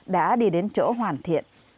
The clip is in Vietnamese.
đã đi đến chỗ hoàn thiện